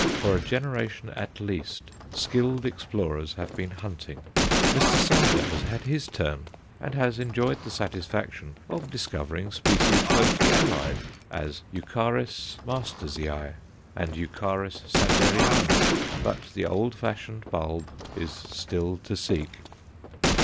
For a generation at least skilled explorers have been hunting. Mr. Sander has had his turn, and has enjoyed the satisfaction of discovering species closely allied, as Eucharis Mastersii and Eucharis Sanderiana; but the old fashioned bulb is still to seek.